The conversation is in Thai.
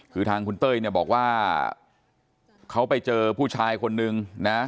คือทางคุณเต้ยเนี่ยบอกว่าเขาไปเจอผู้ชายคนนึงนะ